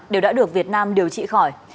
đều đã được việt nam điều trị khỏi